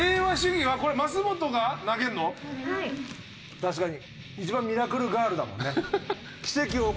確かにいちばんミラクルガールだもんね。